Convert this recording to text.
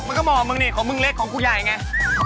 มันก็เห่ามึงนี่ของมึงเล็กของกูใหญ่ไง